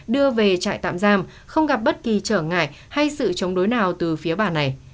đưa về trại tạm giam không gặp bất kỳ trở ngại hay sự chống đối nào từ phía bà này